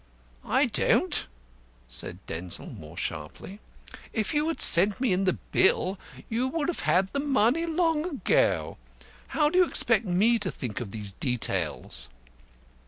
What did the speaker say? "I don't," said Denzil more sharply. "If you had sent me in the bill you would have had the money long ago. How do you expect me to think of these details?"